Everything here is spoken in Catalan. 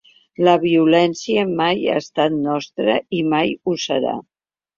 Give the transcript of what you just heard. La violència mai ha estat nostra i mai ho serà.